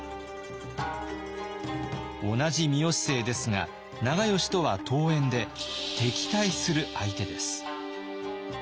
同じ三好姓ですが長慶とは遠縁で敵対する相手です。